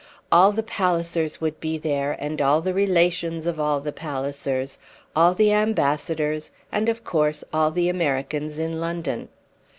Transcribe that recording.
All the Pallisers would be there, and all the relations of all the Pallisers, all the ambassadors, and of course all the Americans in London.